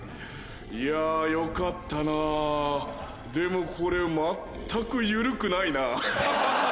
いやぁよかったなでもこれ全くゆるくないなぁハハハ！